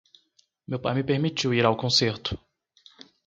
Meu pai me permitiu ir ao concerto.